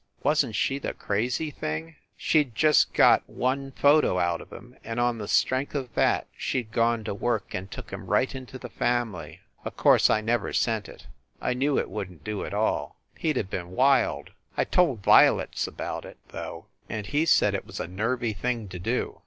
Wasn t she the crazy thing? She d got just one photo out of him, and on the strength of that she d gone to work and took him right into the family ! O course I never sent it. I knew it wouldn t do at all. He d have been wild. I told "Violets" about it, though, and he said it was a nervy thing to do.